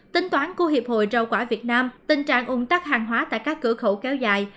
tính toán của hiệp hội rau quả việt nam tình trạng ung tắc hàng hóa tại các cửa khẩu kéo dài